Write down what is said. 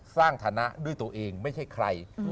ฐานะด้วยตัวเองไม่ใช่ใคร